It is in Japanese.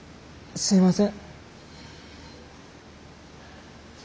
すいません。